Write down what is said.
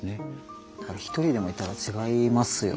一人でもいたら違いますよね。